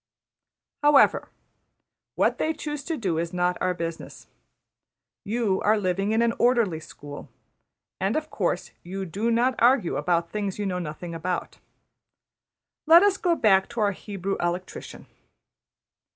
However, what they choose to do is not our business. You are living in an orderly school; and of course you do not argue about things you know nothing about. Let us go back to our Hebrew electrician.